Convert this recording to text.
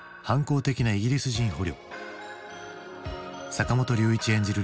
坂本龍一演じる